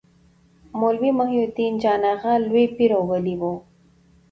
مولوي محي الدین جان اغا لوی پير او ولي و.